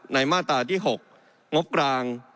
มาตราที่๖งบกลาง